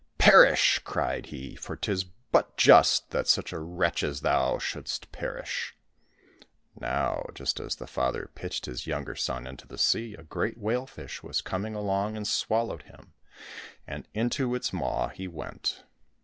" Perish !" cried he, " for 'tis but just that such a wretch as thou shouldst perish !" Now, just as the father pitched his younger son into the sea, a great whale fish was coming along and swallowed him, and into its maw he went.